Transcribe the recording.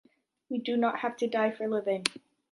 We do not have to die for living.